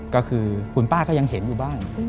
ก็คือคุณป้าก็ยังเห็นอยู่บ้าง